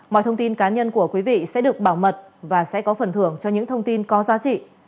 mọi thông tin cá nhân của quý vị sẽ được bảo mật và sẽ có phần thưởng cho những thông tin có giá trị